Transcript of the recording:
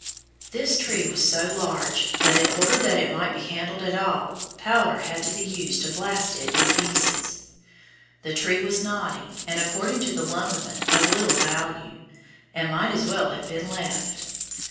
This tree was so large that, in order that it might be handled at all, powder had to be used to blast it in pieces. The tree was knotty, and according to the lumbermen, of little value, and might as well have been left.